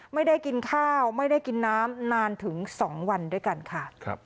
ไม่ได้กินข้าวไม่ได้กินน้ำนานถึง๒วันด้วยกันค่ะ